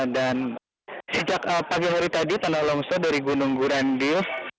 dan sejak pagi hari tadi tanah longsor dari gunung gurandil